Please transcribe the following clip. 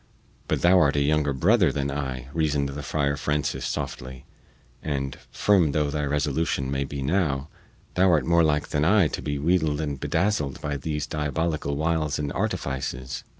"But thou art a younger brother than I," reasoned the Friar Francis softly; "and, firm though thy resolution may be now, thou art more like than I to be wheedled and bedazzled by these diabolical wiles and artifices.